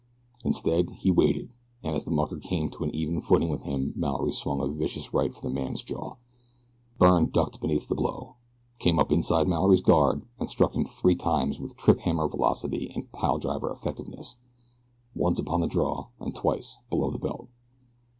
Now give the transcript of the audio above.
Instead, he waited, and as the mucker came on an even footing with him Mallory swung a vicious right for the man's jaw. Byrne ducked beneath the blow, came up inside Mallory's guard, and struck him three times with trip hammer velocity and pile driver effectiveness once upon the jaw and twice below the belt!